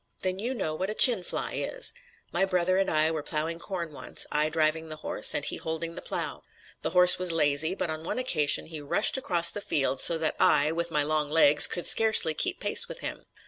Then you know what a 'chin fly' is. My brother and I were plowing corn once, I driving the horse and he holding the plow. The horse was lazy, but on one occasion he rushed across the field so that I, with my long legs, could scarcely keep pace with him.